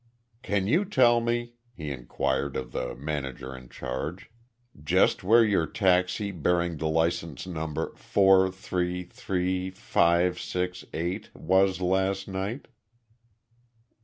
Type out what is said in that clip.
"Can you tell me," he inquired of the manager in charge, "just where your taxi bearing the license number four, three, three, five, six, eight was last night?"